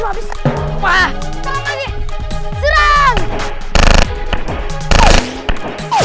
hai lagi lagi ya